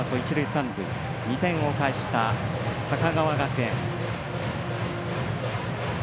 ２点を返した高川学園。